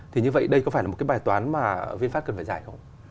thì như vậy đây có phải là một cái bài toán mà vinfast cần phải giải không